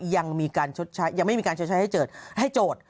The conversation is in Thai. ยังไม่มีการชดใช้ให้โจทย์